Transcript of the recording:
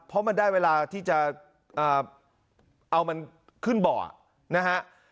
เพราะมันได้เวลาที่จะเอามันขึ้นเบาะนะฮะ